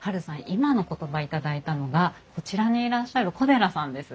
今の言葉頂いたのがこちらにいらっしゃる小寺さんです。